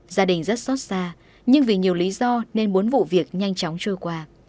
gia đình rất xót xa nhưng vì nhiều lý do nên bốn vụ việc nhanh chóng trôi qua